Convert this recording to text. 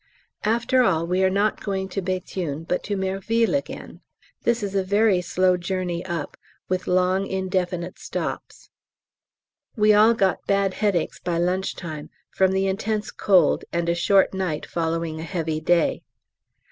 After all we are not going to Béthune but to Merville again. This is a very slow journey up, with long indefinite stops; we all got bad headaches by lunch time from the intense cold and a short night following a heavy day.